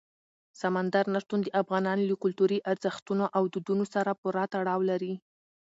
سمندر نه شتون د افغانانو له کلتوري ارزښتونو او دودونو سره پوره تړاو لري.